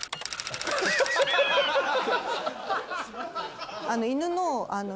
ハハハハ！